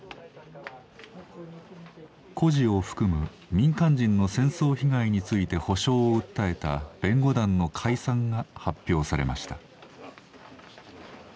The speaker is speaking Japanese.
孤児を含む民間人の戦争被害について補償を訴えた弁護団の解散が発表されました。